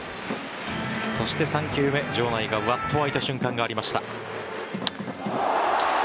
そして３球目場内がわっと沸いた瞬間がありました。